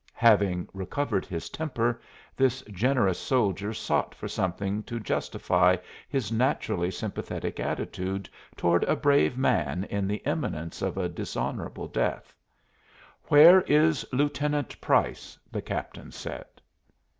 Having recovered his temper this generous soldier sought for something to justify his naturally sympathetic attitude toward a brave man in the imminence of a dishonorable death. "Where is Lieutenant Price?" the captain said.